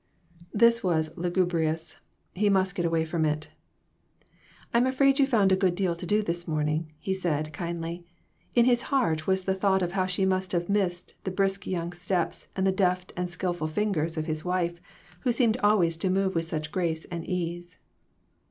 This was lugubrious. He must get away from it. "I'm afraid you found a good deal to do this morning," he said, kindly. In his heart was the thought of how she must have missed the brisk young steps and the deft and skillful fingers of his wife, who seemed always to move with such grace and ease.